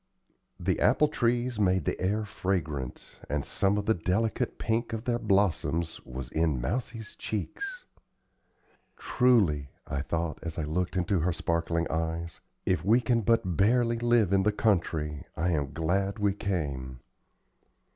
The apple trees made the air fragrant, and some of the delicate pink of their blossoms was in Mousie's cheeks. "Truly," I thought, as I looked into her sparkling eyes, "if we can but barely live in the country, I am glad we came."